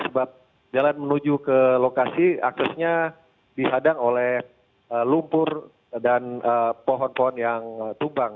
sebab jalan menuju ke lokasi aksesnya dihadang oleh lumpur dan pohon pohon yang tumbang